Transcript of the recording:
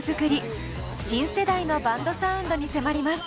新世代のバンドサウンドに迫ります。